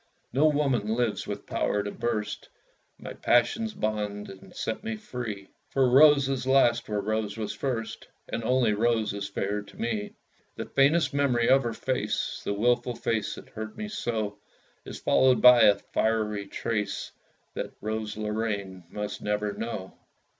No woman lives with power to burst My passion's bonds, and set me free; For Rose is last where Rose was first, And only Rose is fair to me. The faintest memory of her face, The wilful face that hurt me so, Is followed by a fiery trace That Rose Lorraine must never know.